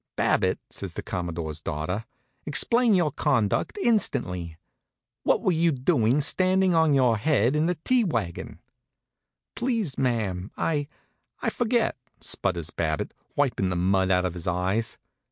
"Babbitt," says the Commodore's daughter, "explain your conduct instantly. What were you doing standing on your head in that tea wagon?" "Please, ma'am, I I forget," splutters Babbitt, wipin' the mud out of his eyes.